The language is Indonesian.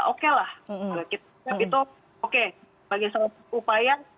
oke lah bagi satu upaya